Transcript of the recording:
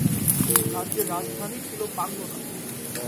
রাজ্যের রাজধানী ছিল পাঙ্গনা।